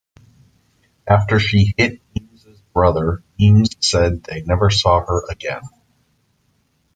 After she hit Eames' brother, Eames said they never saw her again.